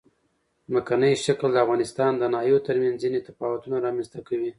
ځمکنی شکل د افغانستان د ناحیو ترمنځ ځینې تفاوتونه رامنځ ته کوي.